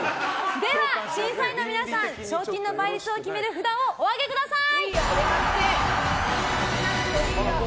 では、審査員のみなさん賞金の倍率を決める札をお上げください！